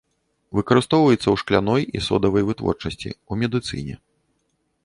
Выкарыстоўваецца ў шкляной і содавай вытворчасці, у медыцыне.